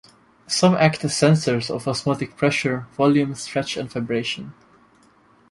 Some act as sensors of osmotic pressure, volume, stretch, and vibration.